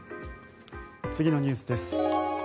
次のニュースです。